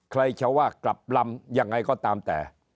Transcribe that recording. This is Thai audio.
ใครจะว่ากลับลำยังไงก็ตามแต่